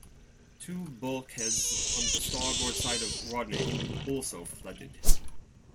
Two bulkheads on the starboard side of "Rodney" also flooded.